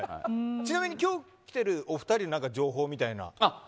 ちなみに今日来ているお二人の情報みたいなのは。